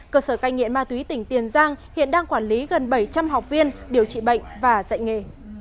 cơ sở cai nghiện ma túy tỉnh tiền giang hiện đang quản lý gần bảy trăm linh học viên điều trị bệnh và dạy nghề